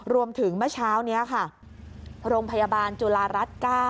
เมื่อเช้านี้ค่ะโรงพยาบาลจุฬารัฐ๙